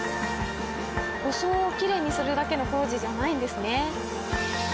装をきれいにするだけの工事じゃないんですね。